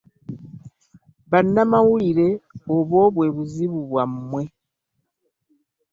Bannamawulire obwo bwe buzibu bwammwe.